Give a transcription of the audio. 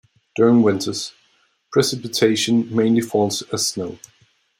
During winters, precipitation mainly falls as snow.